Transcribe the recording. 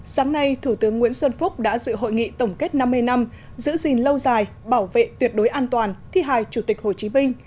sáng nay thủ tướng nguyễn xuân phúc đã dự hội nghị tổng kết năm mươi năm giữ gìn lâu dài bảo vệ tuyệt đối an toàn thi hài chủ tịch hồ chí minh